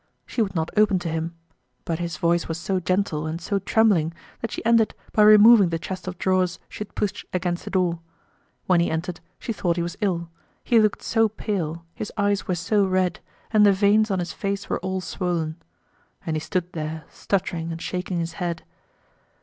She would not open to him; but his voice was so gentle and so trembling that she ended by removing the chest of drawers she had pushed against the door. When he entered, she thought he was ill; he looked so pale, his eyes were so red, and the veins on his face were all swollen. And he stood there, stuttering and shaking his head.